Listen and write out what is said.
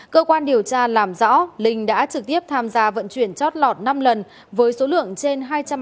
cơ quan điều tra làm rõ linh đã trực tiếp tham gia vận chuyển chót lọt năm lần với số lượng trên hai trăm linh bánh heroin từ việt nam sang trung quốc để thu lợi bắt chính